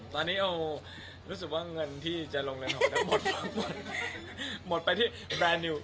ตอนนี้รู้สึกว่าเงินที่จะลงเรือนหอมมันหมดไปที่แบรนด์นิว